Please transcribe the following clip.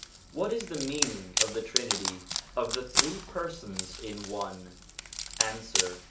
What is the meaning of the Trinity, of the Three Persons in One ? Answer.